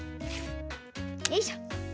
よいしょ！